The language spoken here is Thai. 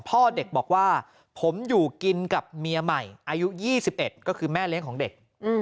พ่อเด็กบอกว่าผมอยู่กินกับเมียใหม่อายุ๒๑ก็คือแม่เลี้ยงของเด็ก